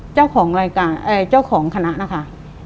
เจ้าของรายการเจ้าของคณะนะคะ